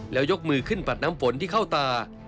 แล้วยกมือขึ้นปัดน้ำฝนที่เข้าตา